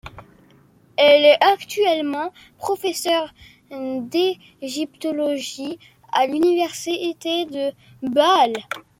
Elle est actuellement professeure d'égyptologie à l'Université de Bâle.